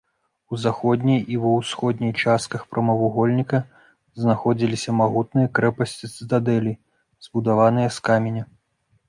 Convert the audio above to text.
У заходняй і ва ўсходняй частках прамавугольніка знаходзіліся магутныя крэпасці-цытадэлі, збудаваныя з каменя.